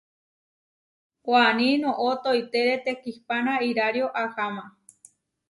Waní noʼó toitére tekihpana irario aháma.